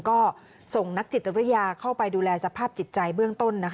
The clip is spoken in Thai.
ก็ส่งนักจิตวิทยาเข้าไปดูแลสภาพจิตใจเบื้องต้น